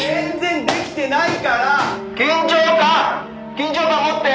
緊張感持って！